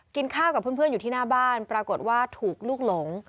กินข้าวกับเพื่อนอยู่ที่หน้าบ้านปรากฏว่าถูกลูกหลง